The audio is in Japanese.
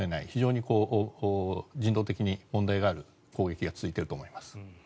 非常に人道的に問題がある攻撃が続いていると思います。